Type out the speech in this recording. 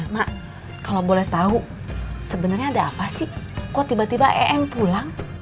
mak kalau boleh tahu sebenarnya ada apa sih kok tiba tiba em pulang